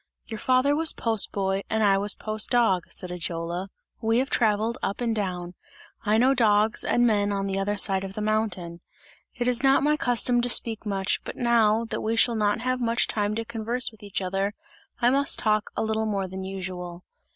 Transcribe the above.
"Your father was post boy and I was post dog," said Ajola. "We have travelled up and down; I know dogs and men on the other side of the mountain. It is not my custom to speak much, but now, that we shall not have much time to converse with each other, I must talk a little more than usual.